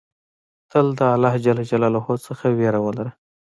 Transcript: تل د الله ج څخه ویره ولره.